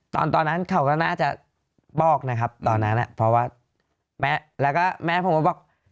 ตอนนั้นเขาก็น่าจะบอกนะครับตอนนั้นเพราะว่าแม่แล้วก็แม่ผมก็บอก